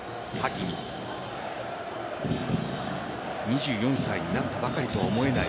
２４歳になったばかりと思えない